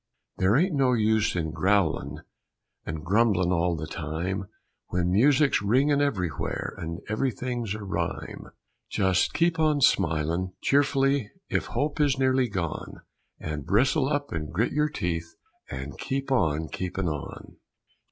There ain't no use in growlin' And grumblin' all the time, When music's ringin' everywhere And everything's a rhyme. Just keep on smilin' cheerfully If hope is nearly gone, And bristle up and grit your teeth And keep on keepin' on.